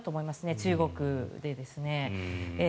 中国でですね。